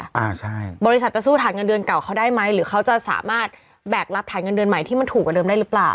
อ่าใช่บริษัทจะสู้ฐานเงินเดือนเก่าเขาได้ไหมหรือเขาจะสามารถแบกรับฐานเงินเดือนใหม่ที่มันถูกกว่าเดิมได้หรือเปล่า